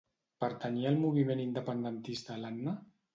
Pertanyia al moviment independentista l'Anna?